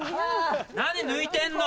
何抜いてんの！